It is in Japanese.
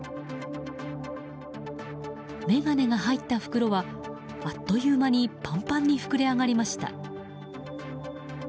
眼鏡が入った袋はあっという間にパンパンに膨れ上がりました。